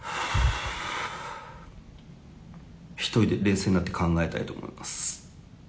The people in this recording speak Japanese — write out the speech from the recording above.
１人で冷静になって考えたいと思います。